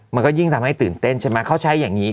มันก็ยิ่งทำให้ตื่นเต้นใช่ไหมเขาใช้อย่างนี้